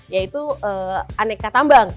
yaitu aneka tambang